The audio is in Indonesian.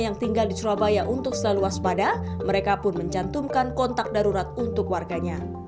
yang tinggal di surabaya untuk selalu waspada mereka pun mencantumkan kontak darurat untuk warganya